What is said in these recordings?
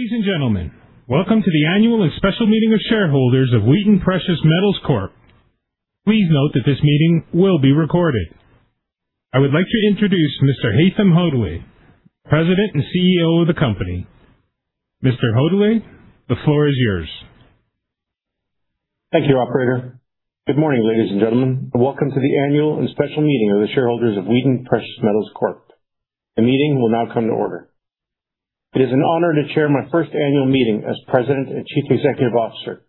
Ladies and gentlemen, welcome to the annual and special meeting of shareholders of Wheaton Precious Metals Corp. Please note that this meeting will be recorded. I would like to introduce Mr. Haytham Hodaly, President and CEO of the company. Mr. Hodaly, the floor is yours. Thank you, operator. Good morning, ladies and gentlemen. Welcome to the annual and special meeting of the shareholders of Wheaton Precious Metals Corp. The meeting will now come to order. It is an honor to chair my first annual meeting as President and Chief Executive Officer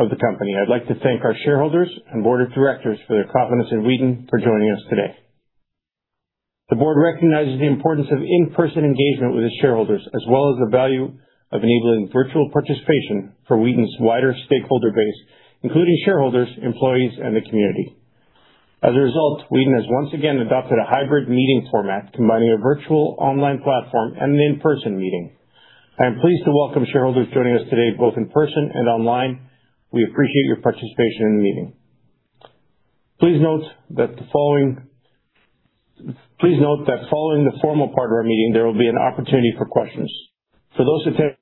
of the company. I'd like to thank our shareholders and Board of Directors for their confidence in Wheaton for joining us today. The Board recognizes the importance of in-person engagement with its shareholders, as well as the value of enabling virtual participation for Wheaton's wider stakeholder base, including shareholders, employees, and the community. As a result, Wheaton has once again adopted a hybrid meeting format, combining a virtual online platform and an in-person meeting. I am pleased to welcome shareholders joining us today, both in person and online. We appreciate your participation in the meeting. Please note that following the formal part of our meeting, there will be an opportunity for questions. For those attending,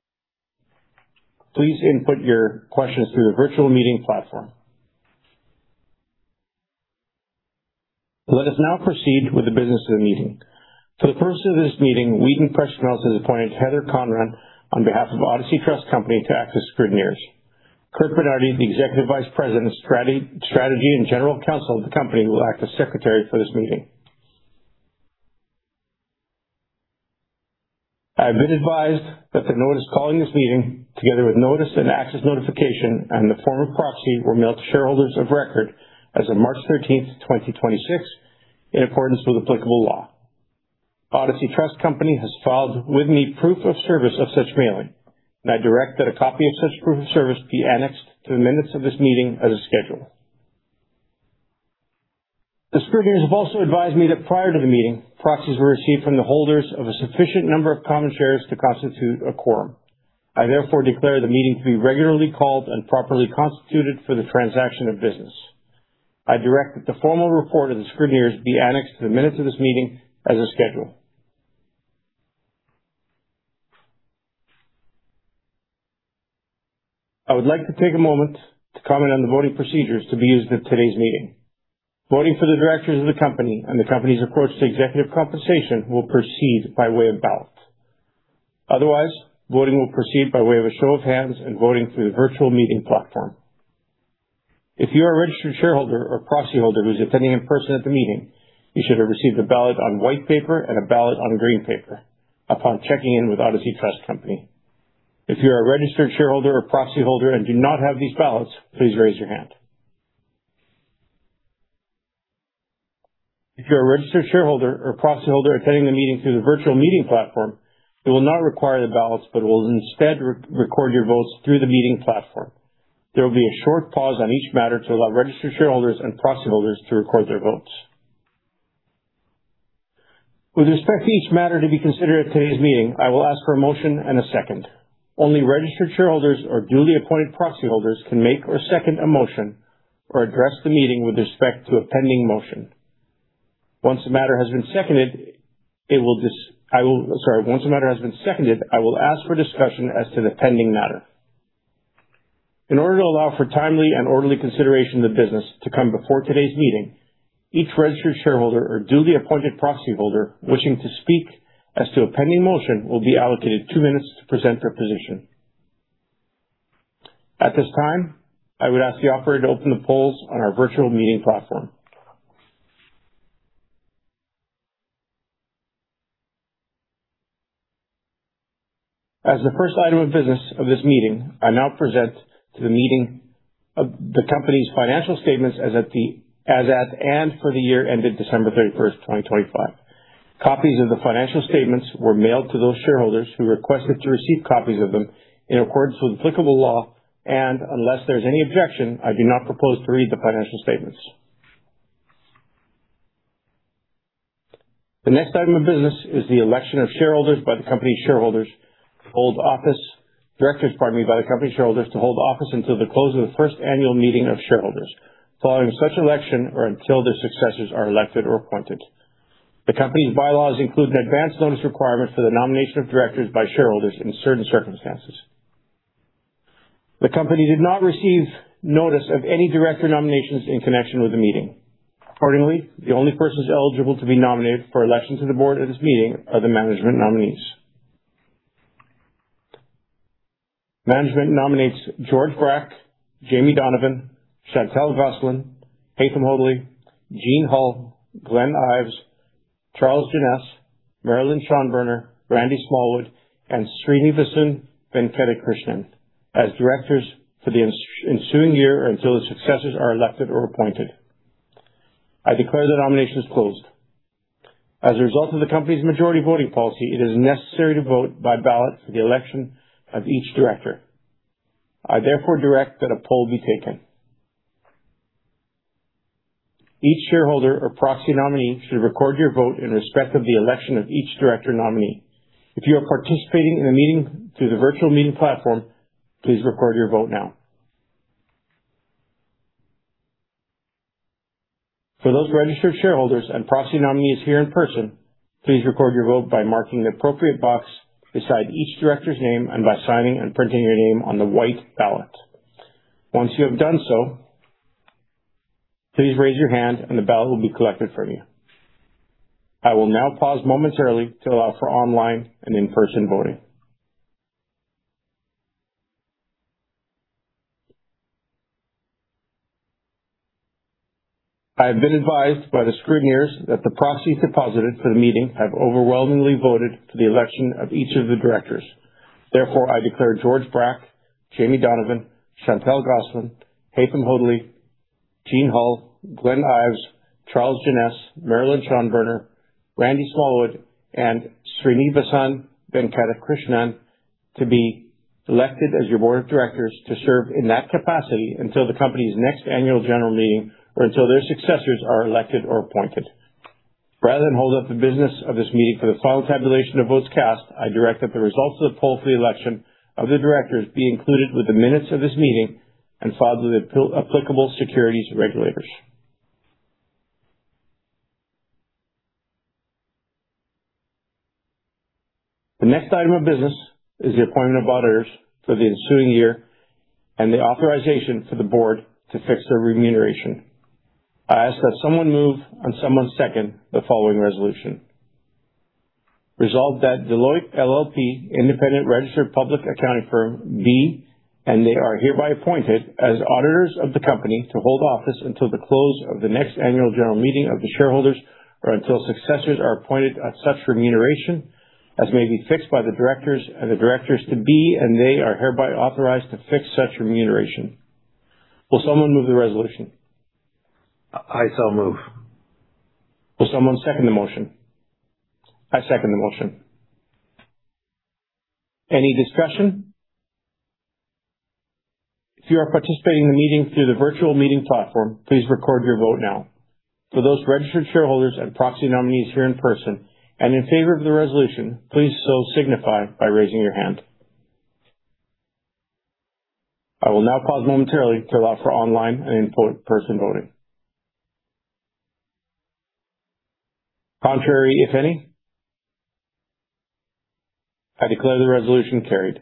please input your questions through the virtual meeting platform. Let us now proceed with the business of the meeting. For the purpose of this meeting, Wheaton Precious Metals has appointed Heather Conran on behalf of Odyssey Trust Company to act as scrutineers. Curt Bernardi, the Executive Vice President of Strategy and General Counsel of the company, will act as Secretary for this meeting. I have been advised that the notice calling this meeting, together with notice and access notification and the form of proxy, were mailed to shareholders of record as of March 13th, 2026, in accordance with applicable law. Odyssey Trust Company has filed with me proof of service of such mailing, and I direct that a copy of such proof of service be annexed to the minutes of this meeting as a schedule. The scrutineers have also advised me that prior to the meeting, proxies were received from the holders of a sufficient number of common shares to constitute a quorum. I therefore declare the meeting to be regularly called and properly constituted for the transaction of business. I direct that the formal report of the scrutineers be annexed to the minutes of this meeting as a schedule. I would like to take a moment to comment on the voting procedures to be used at today's meeting. Voting for the directors of the company and the company's approach to executive compensation will proceed by way of ballot. Otherwise, voting will proceed by way of a show of hands and voting through the virtual meeting platform. If you are a registered shareholder or proxy holder who is attending in person at the meeting, you should have received a ballot on white paper and a ballot on green paper upon checking in with Odyssey Trust Company. If you are a registered shareholder or proxy holder and do not have these ballots, please raise your hand. If you're a registered shareholder or proxy holder attending the meeting through the virtual meeting platform, you will not require the ballots but will instead re-record your votes through the meeting platform. There will be a short pause on each matter to allow registered shareholders and proxy holders to record their votes. With respect to each matter to be considered at today's meeting, I will ask for a motion and a second. Only registered shareholders or duly appointed proxy holders can make or second a motion or address the meeting with respect to a pending motion. Once a matter has been seconded, I will ask for discussion as to the pending matter. In order to allow for timely and orderly consideration of the business to come before today's meeting, each registered shareholder or duly appointed proxy holder wishing to speak as to a pending motion will be allocated 2 minutes to present their position. At this time, I would ask the operator to open the polls on our virtual meeting platform. As the first item of business of this meeting, I now present to the meeting, the company's financial statements as at and for the year ended December 31st, 2025. Copies of the financial statements were mailed to those shareholders who requested to receive copies of them in accordance with applicable law. Unless there's any objection, I do not propose to read the financial statements. The next item of business is the election of directors, pardon me, by the company's shareholders to hold office until the close of the first annual meeting of shareholders, following such election or until their successors are elected or appointed. The company's bylaws include an advance notice requirement for the nomination of directors by shareholders in certain circumstances. The company did not receive notice of any director nominations in connection with the meeting. Accordingly, the only persons eligible to be nominated for election to the board at this meeting are the management nominees. Management nominates George Brack, Jaimie Donovan, Chantal Gosselin, Haytham Hodaly, Jeane Hull, Glenn Ives, Charles Jeannes, Marilyn Schonberner, Randy Smallwood, and Srinivasan Venkatakrishnan as directors for the ensuing year until the successors are elected or appointed. I declare the nominations closed. As a result of the company's majority voting policy, it is necessary to vote by ballot for the election of each director. I therefore direct that a poll be taken. Each shareholder or proxy nominee should record your vote in respect of the election of each director nominee. If you are participating in a meeting through the virtual meeting platform, please record your vote now. For those registered shareholders and proxy nominees here in person, please record your vote by marking the appropriate box beside each director's name and by signing and printing your name on the white ballot. Once you have done so, please raise your hand, and the ballot will be collected from you. I will now pause momentarily to allow for online and in-person voting. I have been advised by the scrutineers that the proxies deposited for the meeting have overwhelmingly voted for the election of each of the directors. Therefore, I declare George Brack, Jaimie Donovan, Chantal Gosselin, Haytham Hodaly, Jeane Hull, Glenn Ives, Charles Jeannes, Marilyn Schonberner, Randy Smallwood, and Srinivasan Venkatakrishnan to be elected as your board of directors to serve in that capacity until the company's next annual general meeting or until their successors are elected or appointed. Rather than hold up the business of this meeting for the final tabulation of votes cast, I direct that the results of the poll for the election of the directors be included with the minutes of this meeting and filed with the applicable securities regulators. The next item of business is the appointment of auditors for the ensuing year and the authorization for the board to fix their remuneration. I ask that someone move and someone second the following resolution. Resolved that Deloitte LLP, independent registered public accounting firm, be, and they are hereby appointed as auditors of the company to hold office until the close of the next annual general meeting of the shareholders or until successors are appointed at such remuneration as may be fixed by the directors and the directors to be, and they are hereby authorized to fix such remuneration. Will someone move the resolution? I so move. Will someone second the motion? I second the motion. Any discussion? If you are participating in the meeting through the virtual meeting platform, please record your vote now. For those registered shareholders and proxy nominees here in person and in favor of the resolution, please so signify by raising your hand. I will now pause momentarily to allow for online and in-person voting. Contrary, if any? I declare the resolution carried.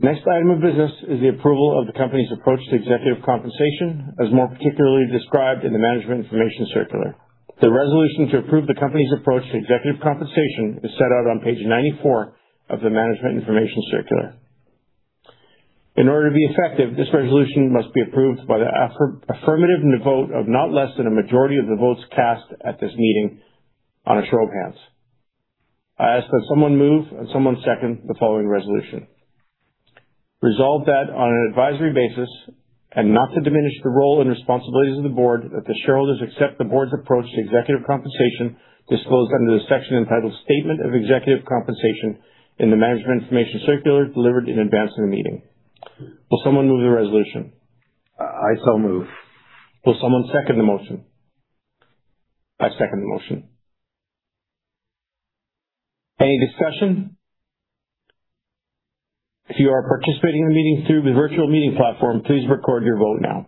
Next item of business is the approval of the company's approach to executive compensation, as more particularly described in the Management Information Circular. The resolution to approve the company's approach to executive compensation is set out on page 94 of the Management Information Circular. In order to be effective, this resolution must be approved by the affirmative vote of not less than a majority of the votes cast at this meeting on a show of hands. I ask that someone move and someone second the following resolution. Resolved that on an advisory basis, and not to diminish the role and responsibilities of the board, that the shareholders accept the board's approach to executive compensation disclosed under the section entitled Statement of Executive Compensation in the Management Information Circular delivered in advance of the meeting. Will someone move the resolution? I so move. Will someone second the motion? I second the motion. Any discussion? If you are participating in the meeting through the virtual meeting platform, please record your vote now.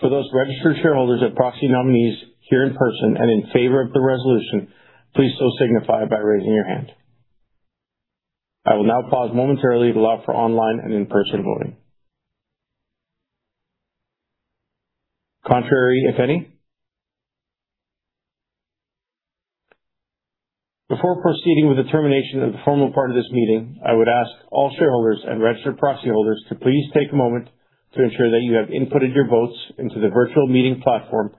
For those registered shareholders and proxy nominees here in person and in favor of the resolution, please so signify it by raising your hand. I will now pause momentarily to allow for online and in-person voting. Contrary, if any? Before proceeding with the termination of the formal part of this meeting, I would ask all shareholders and registered proxy holders to please take a moment to ensure that you have inputted your votes into the virtual meeting platform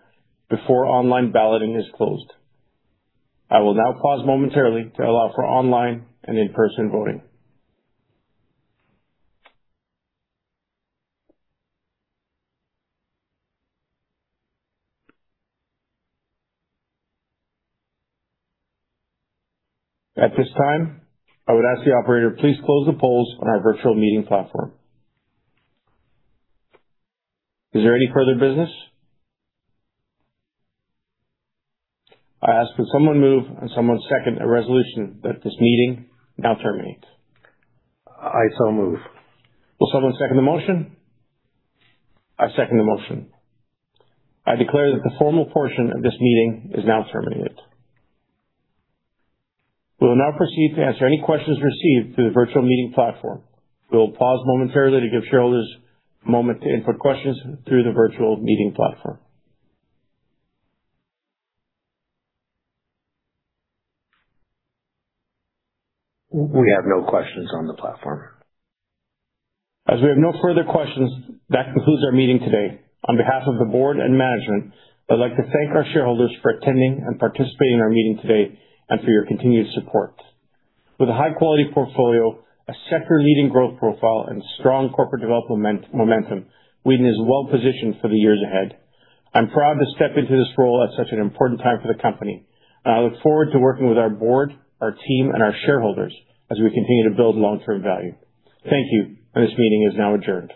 before online balloting is closed. I will now pause momentarily to allow for online and in-person voting. At this time, I would ask the operator, please close the polls on our virtual meeting platform. Is there any further business? I ask that someone move and someone second a resolution that this meeting now terminates. I so move. Will someone second the motion? I second the motion. I declare that the formal portion of this meeting is now terminated. We will now proceed to answer any questions received through the virtual meeting platform. We will pause momentarily to give shareholders a moment to input questions through the virtual meeting platform. We have no questions on the platform. As we have no further questions, that concludes our meeting today. On behalf of the board and management, I'd like to thank our shareholders for attending and participating in our meeting today and for your continued support. With a high-quality portfolio, a sector-leading growth profile, and strong corporate development momentum, Wheaton is well positioned for the years ahead. I'm proud to step into this role at such an important time for the company, and I look forward to working with our board, our team, and our shareholders as we continue to build long-term value. Thank you. This meeting is now adjourned.